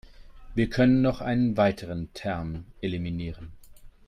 Wir können noch einen weiteren Term eliminieren.